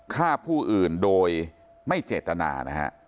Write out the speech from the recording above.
ฆ่าผู้อื่นโดยไม่เจตนานะฮะ